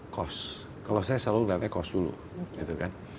cost kalau saya selalu melihatnya cost dulu